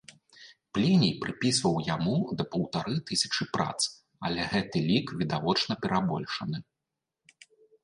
Пліній прыпісваў яму да паўтары тысяч прац, але гэты лік відавочна перабольшаны.